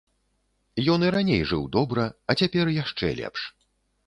Ён і раней жыў добра, а цяпер яшчэ лепш.